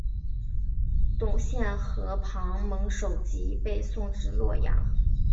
董宪和庞萌首级被送至洛阳。